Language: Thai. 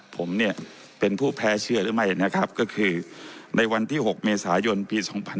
ผมเนี่ยเป็นผู้แพ้เชื่อหรือไม่นะครับก็คือในวันที่๖เมษายนปี๒๕๕๙